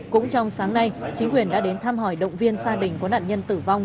cũng trong sáng nay chính quyền đã đến thăm hỏi động viên gia đình có nạn nhân tử vong